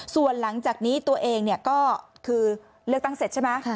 ส่วนหลังจากนี้ตัวเองก็คือเลือกตั้งเสร็จใช่ไหม